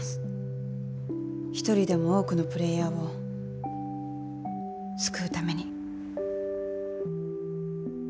一人でも多くのプレーヤーを救うために。